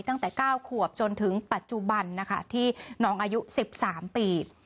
ตั้งแต่๙ขวบจนถึงปัจจุบันนะคะที่น้องอายุ๑๓ปี